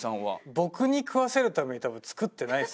僕に食わせるために多分作ってないです。